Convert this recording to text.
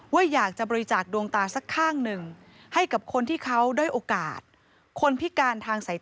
ว่าอยากจะบริจาคดวงตาสักข้างหนึ่งให้กับคนที่เขาด้อยโอกาสคนพิการทางสายตา